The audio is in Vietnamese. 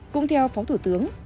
cũng theo phó thủ tướng